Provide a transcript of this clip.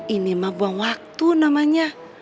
ini mah buang waktu namanya